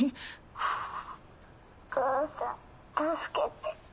ハァお母さん助けて。